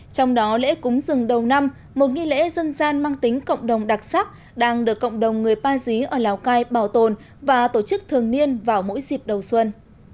trong đó lễ cúng rừng đầu năm một nghi lễ dân gian mang tính cộng đồng đặc sắc đang được cộng đồng người ba dí ở lào cai bảo tồn và tổ chức thường niên vào mỗi dịp đầu xuân